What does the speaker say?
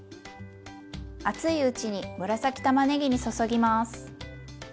熱いうちに紫たまねぎに注ぎます。